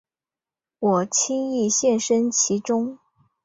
我轻易陷身其中